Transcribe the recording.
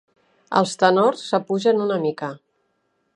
Els tenors s'apugen una mica.